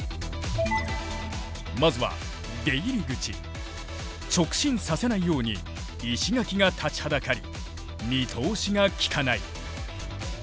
まずは直進させないように石垣が立ちはだかり見通しが利かない。